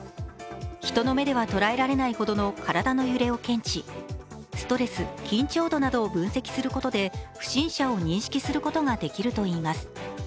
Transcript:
人の目では捉えられないほどの体の揺れを検知、ストレス、緊張度などを分析することで不審者を認識することができるといいます。